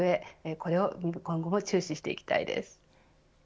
これを注視していきたいです。